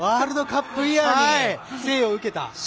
ワールドカップイヤーに生を受けた。